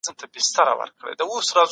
تاسي ولي د جنګونو ملاتړ کوئ؟